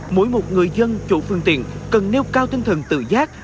mỗi một người dân chủ phương tiện cần nêu cao tinh thần tự giác